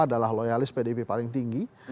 adalah loyalis pdip paling tinggi